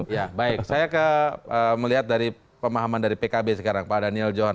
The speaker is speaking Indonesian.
ya baik saya melihat dari pemahaman dari pkb sekarang pak daniel johan